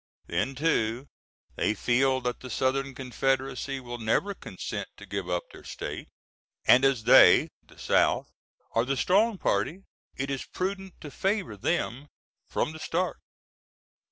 Then, too, they feel that the Southern Confederacy will never consent to give up their State, and as they, the South, are the strong party, it is prudent to favor them from the start.